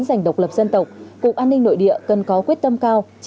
dành độc lập dân tộc cục an ninh nội địa cần có quyết tâm cao